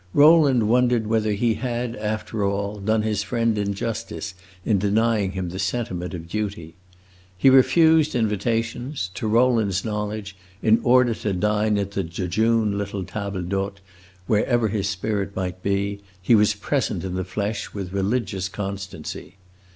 Rowland wondered whether he had, after all, done his friend injustice in denying him the sentiment of duty. He refused invitations, to Rowland's knowledge, in order to dine at the jejune little table d'hote; wherever his spirit might be, he was present in the flesh with religious constancy.